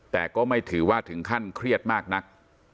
แต่ก็ไม่ถือว่าถึงขั้นเครียดมากนัก